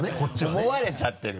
思われちゃってる。